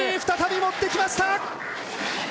再び持ってきました！